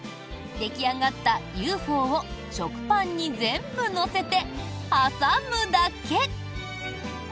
出来上がったＵ．Ｆ．Ｏ．を食パンに全部乗せて挟むだけ。